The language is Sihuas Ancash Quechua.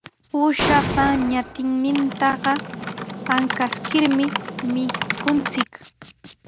Uushapa ñatinnintaqa ankaskirmi mikunchik.